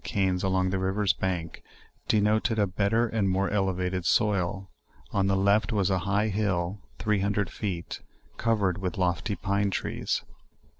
canes along the rivers bank, deno ted a better and more elevated soil; on the left was a high, hill (three hundred feet ) covered with lofty pine trees.